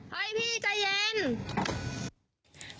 เฮ้ยพี่ใจเย็น